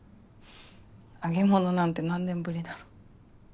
揚げ物なんて何年ぶりだろ？